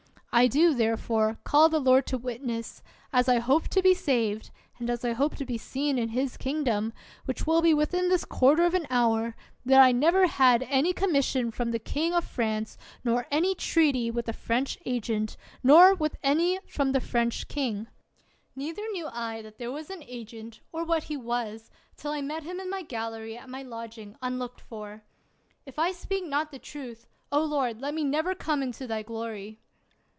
I do, therefore, call the Lord to witness, as I hope to be saved, and as I hope to be seen in His kingdom (which will be within this quarter of an hour), that I never had any commission from the king of France, nor any treaty with the French agent, nor with any from the French king; neither knew I that there was an agent, or what he was, till I met him in my gallery at my lodging un looked for. If I speak not truth, O Lord, let me never come into thy glory